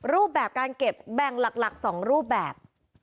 รูปแบบการเก็บแบ่งหลัก๒รูปแบบ